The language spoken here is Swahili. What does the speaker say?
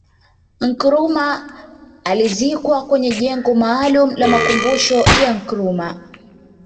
Nkrumah alizikwa kwenye jengo maalumu la makumbusho ya Nkrumah